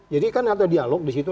jadi kan ada dialog di situ